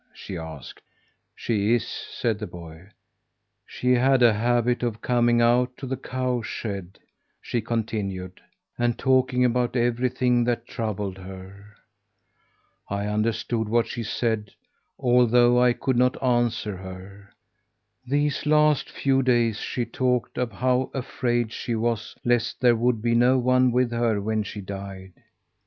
she asked. "She is," said the boy. "She had a habit of coming out to the cowshed," she continued, "and talking about everything that troubled her. I understood what she said, although I could not answer her. These last few days she talked of how afraid she was lest there would be no one with her when she died.